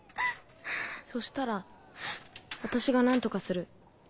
そしたら私が何とかする。